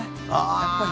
やっぱり。